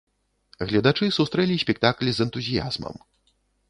Гледачы сустрэлі спектакль з энтузіязмам.